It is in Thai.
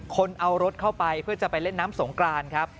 คนเอารถเข้าไปเพื่อจะไปเล่นน้ำสงกรานครับ